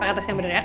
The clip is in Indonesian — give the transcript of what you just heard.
paket yang bener ya